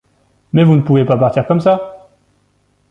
Mais vous ne pouvez pas partir comme ça !